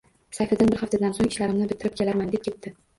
Sayfiddin bir haftadan so‘ng ishlarimni bitirib kelarman, deb ketdi